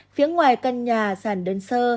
phía ngoài căn nhà ràn đơn sơ